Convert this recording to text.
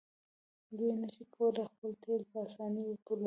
دوی نشي کولی خپل تیل په اسانۍ وپلوري.